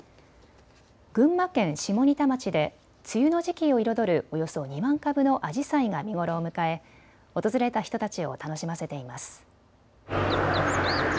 群馬県下仁田町で梅雨の時期を彩るおよそ２万株のアジサイが見頃を迎え訪れた人たちを楽しませています。